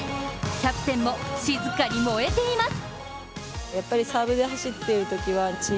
キャプテンも静かに燃えています。